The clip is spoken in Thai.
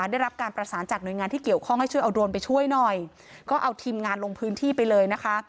ได้รับการประสานจากหน่วยงานที่เกี่ยวข้องให้ช่วยเอาโดรนไปช่วยหน่อยก็เอาทีมงานลงพื้นที่ไปเลยนะคะ